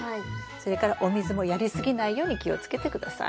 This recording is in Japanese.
それからお水もやり過ぎないように気をつけて下さい。